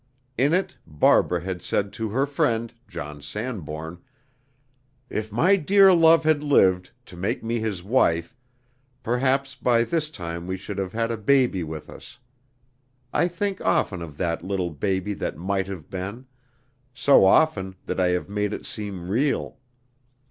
In it Barbara had said to her friend, John Sanbourne, "If my dear love had lived, to make me his wife, perhaps by this time we should have had a baby with us. I think often of that little baby that might have been so often, that I have made it seem real.